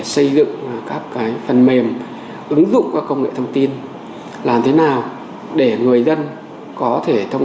tham dự các cái phần mềm ứng dụng và công nghệ thông tin làm thế nào để người dân có thể thông